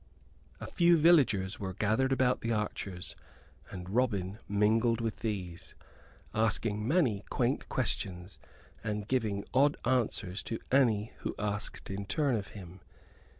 A few villagers were gathered about the archers; and Robin mingled with these, asking many quaint questions, and giving odd answers to any who asked in turn of him.